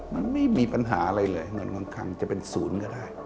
มันไม่มีปัญหาอะไรเลยเงินกลางจะเป็นศูนย์ก็ได้